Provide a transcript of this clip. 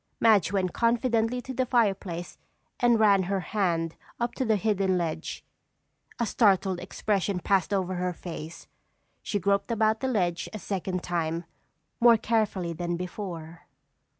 Madge went confidently to the fireplace and ran her hand up to the hidden ledge. A startled expression passed over her face. She groped about the ledge a second time, more carefully than before.